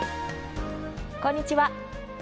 こんにちは。